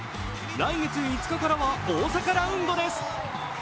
来月５日からは大阪ラウンドです。